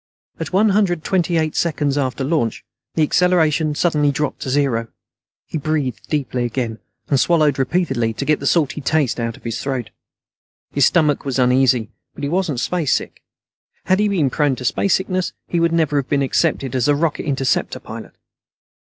At one hundred twenty eight seconds after launch, the acceleration suddenly dropped to zero. He breathed deeply again, and swallowed repeatedly to get the salty taste out of his throat. His stomach was uneasy, but he wasn't spacesick. Had he been prone to spacesickness, he would never have been accepted as a Rocket Interceptor pilot.